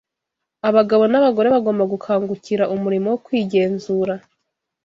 Abagabo n’abagore bagomba gukangukira umurimo wo kwigenzura